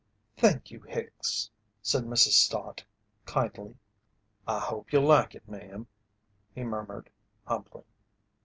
"Thank you, Hicks," said Mrs. Stott, kindly. "I hope you'll like it, ma'am," he murmured, humbly.